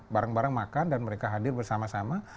bareng bareng makan dan mereka hadir bersama sama